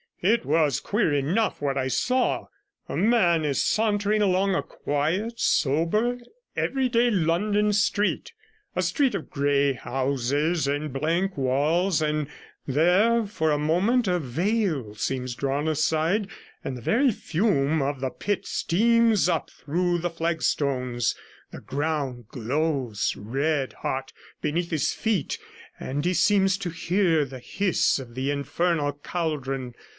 'It was queer enough what I saw; a man is sauntering along a quiet, sober, everyday London street, a street of grey houses and blank walls, and there, for a moment, a veil seems drawn aside, and the very fume of the pit steams up through the flagstones, the ground glows, red hot, beneath his feet, and he seems to hear the hiss of the infernal caldron.